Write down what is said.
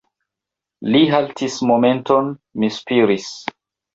Li haltis momenton; mi spiris.